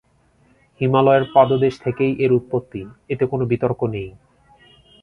হিমালয়ের পাদদেশ থেকেই এর উৎপত্তি এতে কোনো বিতর্ক নেই।